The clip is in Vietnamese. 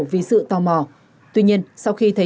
vì sự tò mò tuy nhiên sau khi thấy